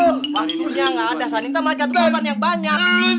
waktunya gak ada sani kita malah jatuh umpan yang banyak